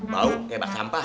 bau kayak bak sampah